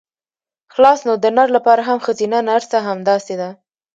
خلاص نو د نر لپاره هم ښځينه نرسه همداسې ده.